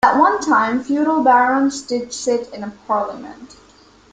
At one time feudal barons did sit in parliament.